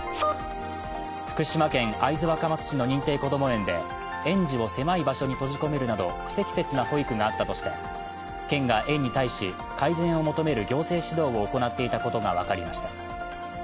福島県会津若松市の認定こども園で、園児を狭い場所に閉じ込めるなど不適切な保育があったとして県が園に対し、改善を求める行政指導を行っていたことが分かりました。